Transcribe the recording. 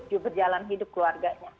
dan juga berjalan hidup keluarganya